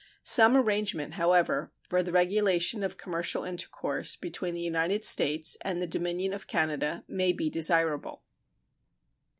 Some arrangement, however, for the regulation of commercial intercourse between the United States and the Dominion of Canada may be desirable.